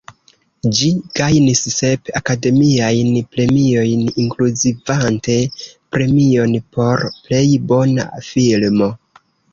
Ĝi gajnis sep Akademiajn Premiojn, inkluzivante premion por plej bona filmo.